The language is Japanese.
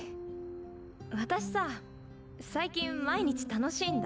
私さ最近毎日楽しいんだ。